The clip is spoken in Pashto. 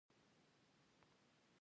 شپږمه مرحله د رسمي جریدې نشر دی.